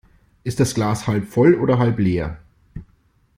Ist das Glas halb voll oder halb leer?